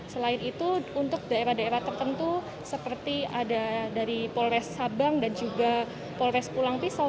selain itu untuk daerah daerah tertentu seperti ada dari polres sabang dan juga polres pulang pisau